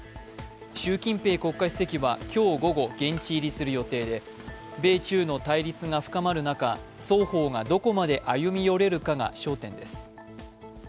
習近平国家主席は今日午後現地入りする予定で米中の対立が深まる中、双方がどこまで歩み寄れるかが焦点です。